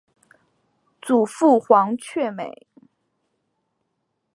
祖父黄厥美。